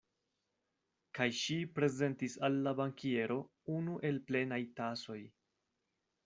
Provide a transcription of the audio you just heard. Kaj ŝi prezentis al la bankiero unu el plenaj tasoj.